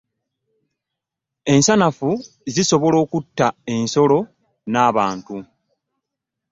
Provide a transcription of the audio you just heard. Ensanafu zisobola okutta ensolo na bantu.